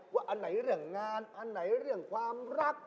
อันไหนเรื่องงานอันไหนเรื่องความรัก